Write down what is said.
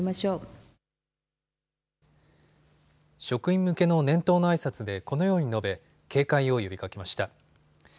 職員向けの年頭のあいさつでこのように述べ警戒を呼びかけました。